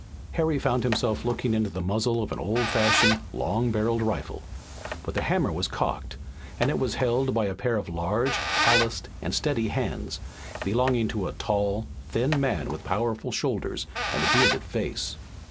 Harry found himself looking into the muzzle of an old fashioned long barreled rifle. But the hammer was cocked, and it was held by a pair of large, calloused, and steady hands, belonging to a tall, thin man with powerful shoulders and a bearded face.